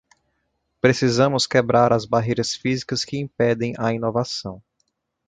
Precisamos quebrar as barreiras físicas que impedem a inovação.